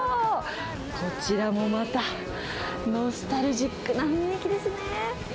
こちらもまた、ノスタルジックな雰囲気ですね。